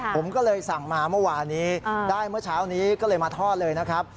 ผมก็เลยสั่งมาเมื่อวานี้ได้เมื่อเช้านี้ก็เลยมาทอดเลยนะครับ